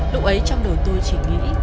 lúc ấy trong đời tôi chỉ nghĩ